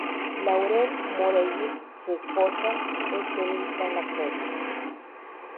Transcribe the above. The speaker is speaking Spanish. Lauren Morelli, su esposa, es guionista en la serie.